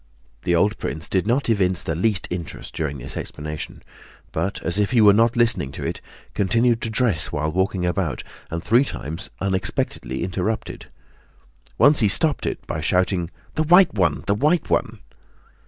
The old prince did not evince the least interest during this explanation, but as if he were not listening to it continued to dress while walking about, and three times unexpectedly interrupted. Once he stopped it by shouting: "The white one, the white one!"